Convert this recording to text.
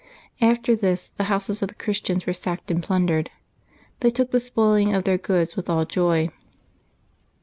After this the houses of the Christians were sacked and plundered. They took the spoiling of their goods with all joy.